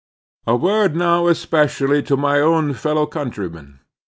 A word now especially to my own fellow countrymen.